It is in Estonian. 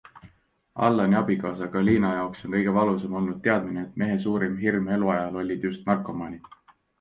Allani abikaasa Galina jaoks on kõige valusam olnud teadmine, et mehe suurim hirm eluajal olid just narkomaanid.